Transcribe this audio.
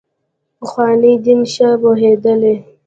پخواني دین ښه پوهېدلي.